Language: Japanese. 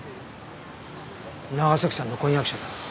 長崎さんの婚約者だ。